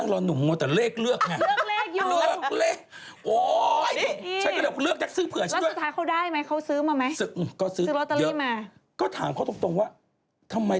แล้วก็มีทางใต้